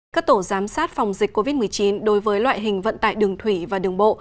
các tổ giám sát phòng dịch covid một mươi chín đối với loại hình vận tải đường thủy và đường bộ